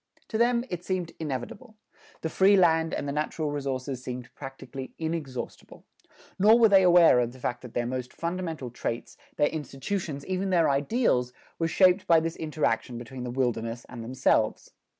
To them it seemed inevitable. The free land and the natural resources seemed practically inexhaustible. Nor were they aware of the fact that their most fundamental traits, their institutions, even their ideals were shaped by this interaction between the wilderness and themselves.